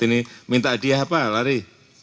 ini minta hadiah apa lari